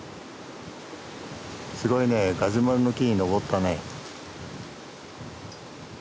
すごいねガジュマルの木に登ったね。